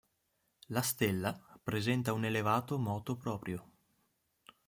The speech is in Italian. La stella presenta un elevato moto proprio.